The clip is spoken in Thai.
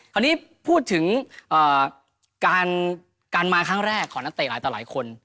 คราวนี้พูดถึงการมาครั้งแรกของนักเตะหลายต่อหลายคน